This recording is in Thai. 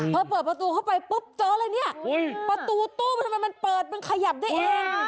ก็เบิดประตูเดินไปปุ๊บเจ๊าเลยประตูเปิดเปิดมันขยับได้อีก